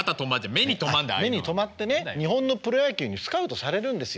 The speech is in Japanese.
目に留まってね日本のプロ野球にスカウトされるんですよ。